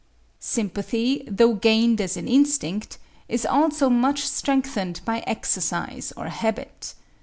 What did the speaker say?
Sympathy, though gained as an instinct, is also much strengthened by exercise or habit.